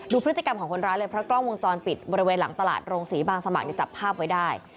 พฤติกรรมของคนร้ายเลยเพราะกล้องวงจรปิดบริเวณหลังตลาดโรงศรีบางสมัครจับภาพไว้ได้